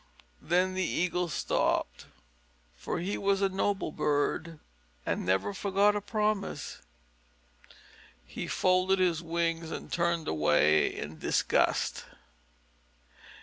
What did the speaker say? Then the Eagle stopped, for he was a noble bird and never forgot a promise. He folded his wings and turned away in disgust.